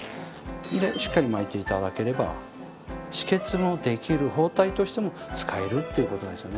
しっかり巻いて頂ければ止血もできる包帯としても使えるという事ですよね。